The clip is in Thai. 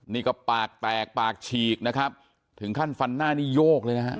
นี่ก็ปากแตกปากฉีกนะครับถึงขั้นฟันหน้านี่โยกเลยนะฮะ